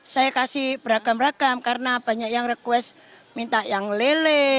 saya kasih beragam ragam karena banyak yang request minta yang lele